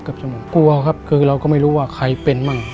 สมองกลัวครับคือเราก็ไม่รู้ว่าใครเป็นมั่ง